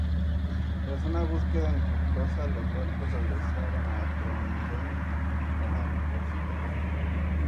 Tras una búsqueda infructuosa, los barcos regresaron a Trondheim para repostar.